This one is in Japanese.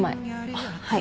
あっはい。